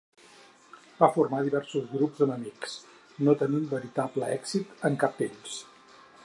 Va formar diversos grups amb amics, no tenint veritable èxit amb cap d'ells.